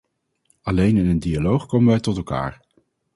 Alleen in een dialoog komen wij tot elkaar.